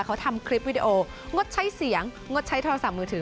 เขาทำคลิปวิดีโองดใช้เสียงงดใช้โทรศัพท์มือถือ